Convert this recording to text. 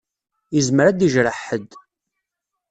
Izmer ad d-ijreḥ ḥedd.